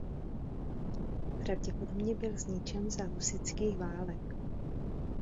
Pravděpodobně byl zničen za husitských válek.